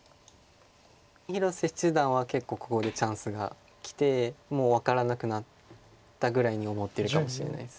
広瀬七段は結構ここでチャンスがきてもう分からなくなったぐらいに思ってるかもしれないです。